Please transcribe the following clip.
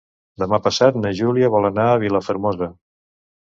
Demà passat na Júlia vol anar a Vilafermosa.